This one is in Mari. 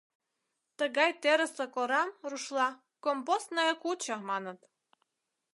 Тыгай терыслык орам рушла «компостная куча» маныт.